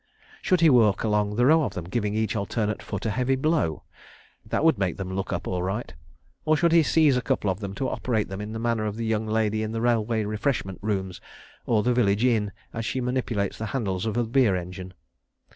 ... Should he walk along the row of them, giving each alternate foot a heavy blow? That would make them look up all right. ... Or should he seize a couple of them and operate them in the manner of the young lady in the Railway Refreshment Rooms or the Village Inn, as she manipulates the handles of the beer engine?